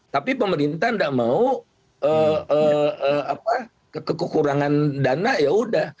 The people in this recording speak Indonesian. tapi pemerintah tidak mau kekurangan dana ya udah